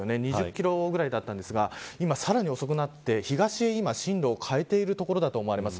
２０キロぐらいだったんですが今、さらに遅くなって東へ進路を変えているところだと思われます。